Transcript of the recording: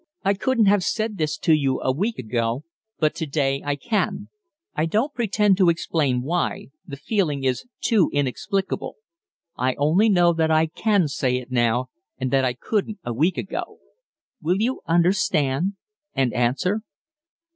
"I couldn't have said this to you a week ago, but to day I can. I don't pretend to explain why the feeling is too inexplicable. I only know that I can say it now, and that I couldn't a week ago. Will you understand and answer?"